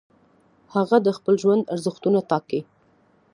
هغه د خپل ژوند ارزښتونه ټاکي.